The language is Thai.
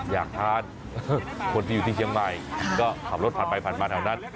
อยากทานคนที่อยู่ที่เชียงใหม่ก็ขับรถผ่านไปผ่านมาแถวนั้น